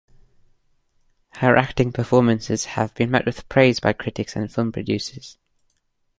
Her acting performances have been met with praise by critics and film producers.